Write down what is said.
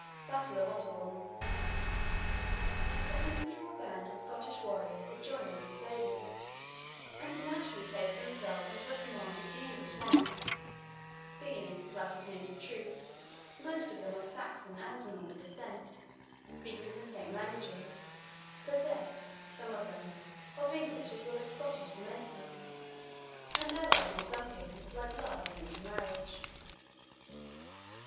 BATTLE OF OTTERBOURNE. A considerable band of Scottish warriors had joined the Crusaders, and had naturally placed themselves under the command of the English monarch, being, like his native troops, most of them of Saxon and Norman descent, speaking the same languages, possessed, some of them, of English as well as Scottish demesnes, and allied in some cases by blood and intermarriage.